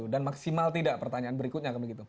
dan maksimal tidak pertanyaan berikutnya